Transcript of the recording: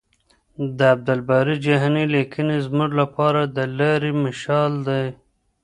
د عبدالباري جهاني لیکنې زموږ لپاره د لارې مشال دي.